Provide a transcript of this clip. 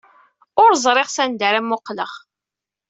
Ur ẓriɣ sanda ara mmuqqleɣ.